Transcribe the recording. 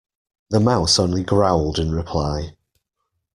The Mouse only growled in reply.